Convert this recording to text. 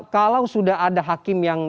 kalau sudah ada hakim yang